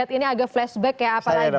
ini agak flashback ya apalagi